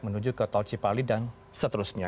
menuju ke tol cipali dan seterusnya